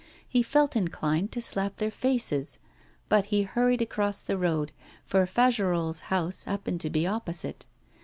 He felt inclined to slap their faces, but he hurried across the road, for Fagerolles' house happened to be opposite.